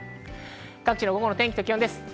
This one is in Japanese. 各地の天気と気温です。